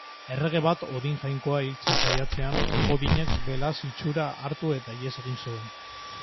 Errege bat Odin jainkoa hiltzen saiatzean, Odinek belatz itxura hartu eta ihes egin zuen.